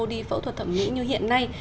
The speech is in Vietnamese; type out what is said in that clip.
đi phẫu thuật thẩm mỹ như hiện nay